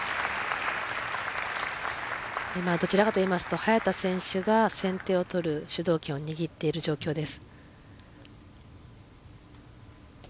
今、どちらかといいますと早田選手が先手を取る主導権を握っている状況です。